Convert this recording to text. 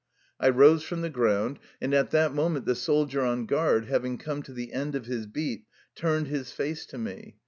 I rose from the ground, and at that moment the soldier on guard, having come to the end of his beat, turned his face to me.